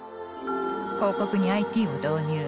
広告にＩＴを導入。